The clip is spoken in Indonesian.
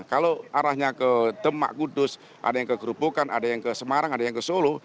kalau arahnya ke demak kudus ada yang ke gerobokan ada yang ke semarang ada yang ke solo